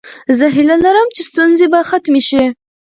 زه هیله لرم چې ستونزې به ختمې شي.